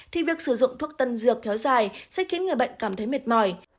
thì việc sử dụng thuốc tân dược kéo dài sẽ khiến người bệnh cảm thấy mệt mỏi